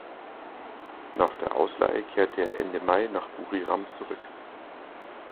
Nach der Ausleihe kehrte er Ende Mai nach Buriram zurück.